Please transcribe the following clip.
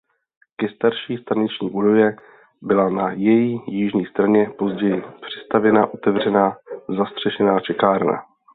Ke starší staniční budově byla na její jižní straně později přistavěna otevřená zastřešená čekárna.